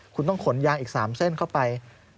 คุณต้องขนยางอีก๓เส้นเข้าไป